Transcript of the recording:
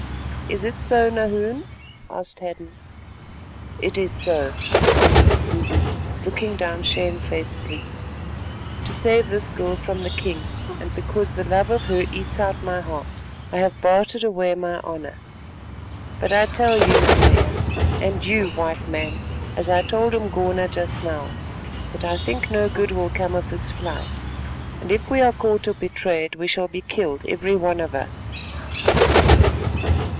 "Is it so, Nahoon?" asked Hadden. "It is so," answered the Zulu, looking down shamefacedly; "to save this girl from the king, and because the love of her eats out my heart, I have bartered away my honour. But I tell you, Nanea, and you, White Man, as I told Umgona just now, that I think no good will come of this flight, and if we are caught or betrayed, we shall be killed every one of us."